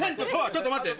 ちょっと待って。